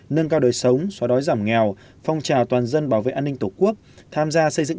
nâng cao đời sống xóa đói giảm nghèo phong trào toàn dân bảo vệ an ninh tổ quốc tham gia xây dựng